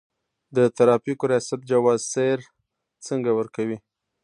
د ترافیکو ریاست جواز سیر څنګه ورکوي؟